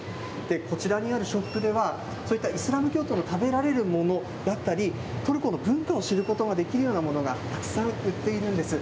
こちらにあるショップでは、そういったイスラム教徒の食べられるものだったり、トルコの文化を知ることができるようなものがたくさん売っているんです。